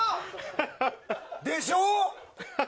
でしょ？